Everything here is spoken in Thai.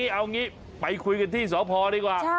เอางี้ไปคุยกันที่สพดีกว่า